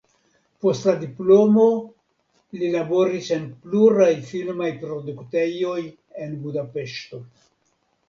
Post la diplomo li laboris en pluraj filmaj produktejoj en Budapeŝto.